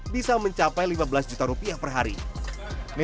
bisa mencapai rp lima belas juta per hari